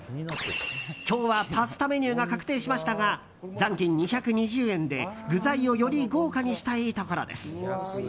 今日はパスタメニューが確定しましたが残金２２０円で具材をより豪華にしたいところです。